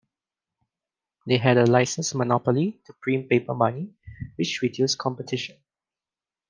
They had a "licensed monopoly" to print paper money, which reduced competition.